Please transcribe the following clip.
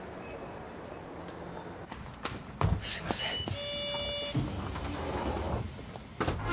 すいません。